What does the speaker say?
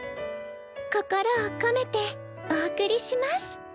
心を込めてお送りします。